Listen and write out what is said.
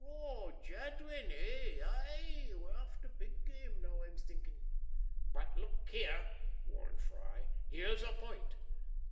"Oh, Jadwin, hey? Hi! we're after big game now, I'm thinking." "But look here," warned Freye. "Here's a point.